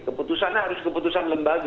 keputusannya harus keputusan lembaga